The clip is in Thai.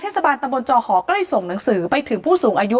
เทศบาลตะบนจอหอก็เลยส่งหนังสือไปถึงผู้สูงอายุ